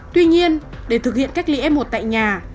tuy nhiên để thực hiện cách ly f một tại nhà